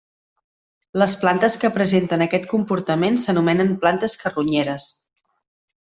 Les plantes que presenten aquest comportament s'anomenen plantes carronyeres.